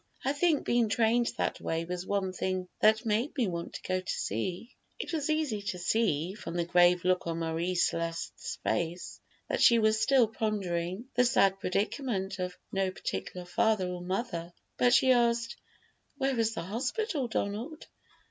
I think being trained that way was one thing that made me want to go to sea." It was easy to see, from the grave look on Marie Celeste's face, that she was still pondering the sad predicament of "no particular father or mother," but she asked, "Where was the hospital, Donald?"